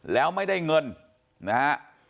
แล้วไม่ได้เงินนะฮะ